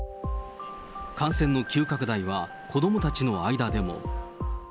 感染の急拡大は子どもたちの間でも。